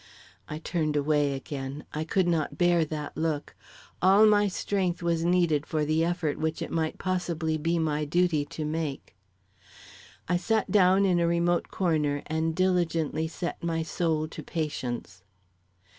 I turned away again; I could not bear that look; all my strength was needed for the effort which it might possibly be my duty to make. I sat down in a remote corner and diligently set my soul to patience.